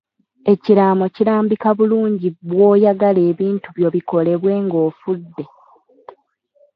Ekiraamo kilambika bulungi bw'oyagala ebintu byo bikolebwe ng'ofudde.